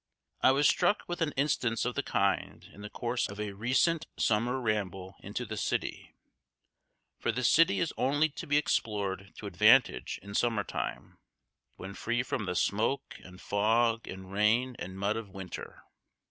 I was struck with an instance of the kind in the course of a recent summer ramble into the city; for the city is only to be explored to advantage in summer time, when free from the smoke and fog and rain and mud of winter.